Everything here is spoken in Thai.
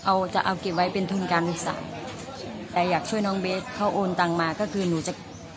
เอาจะเอาเก็บไว้เป็นทุนการศึกษาแต่อยากช่วยน้องเบสเขาโอนตังมาก็คือหนูจะ